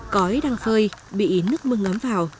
cõi đang phơi bị nước mưa ngắm vào